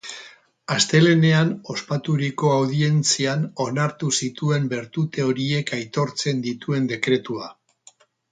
Astelehenean ospaturiko audientzian onartu zituen bertute horiek aitortzen dituen dekretua.